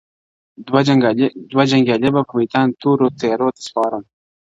دوه جنگيالي به پء ميدان تورو تيارو ته سپارم~